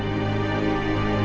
warga yang pesan